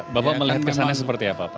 bapak melihat kesannya seperti apa pak